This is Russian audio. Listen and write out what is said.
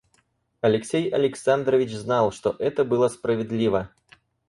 Алексей Александрович знал, что это было справедливо.